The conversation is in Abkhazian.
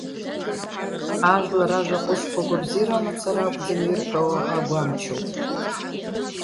Ажәлар ражәа ҟәышқәа агәабзиара амацара акәӡам ирҳәауа агәамч ауп.